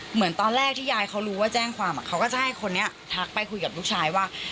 เหมือนตอนแรกที่ยายเขารู้ว่าแจ้งความเขาก็จะให้คนนี้ทักไปคุยกับลูกชายว่า